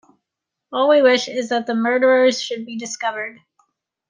All we wish is that the murderers should be discovered.